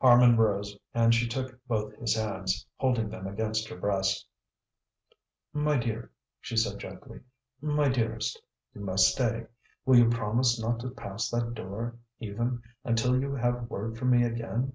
Harman rose, and she took both his hands, holding them against her breast. "My dear," she said gently, "my dearest, you must stay. Will you promise not to pass that door, even, until you have word from me again?"